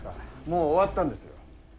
もう終わったんですよ。